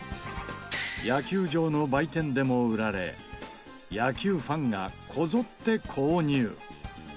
野球場の売店でも売られ野球ファンがこぞって購入。